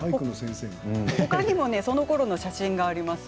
ほかにもこのころの写真があります。